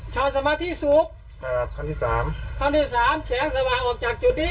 ชาวสมาธิสูบครับคราวที่สามคราวที่สามแสงสว่างออกจากจุดนี้